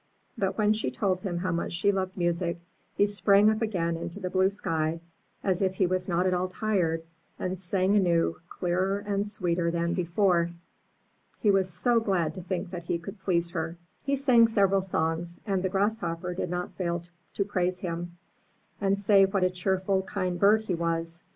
But when she told him how much she loved music, he sprang up again into the blue sky as if he was not at all tired, and sang anew, clearer and sweeter than before. He was so glad to think that he could please her. He sang several songs, and the Grasshopper did not fail to praise him, and say what a cheerful, kind bird he was.